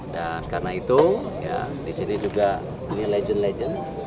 dan karena itu disini juga ini legend legend